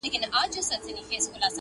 زما پر ښکلي اشنا وایه سلامونه!!